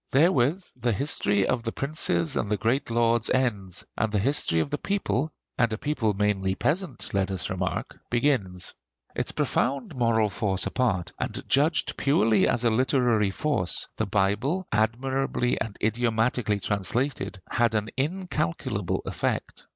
Therewith the history of the princes and the great lords ends, and the history of the people and a people mainly peasant, let us remark begins. Its profound moral force apart, and judged purely as a literary force, the Bible, admirably and idiomatically translated, had an incalculable effect.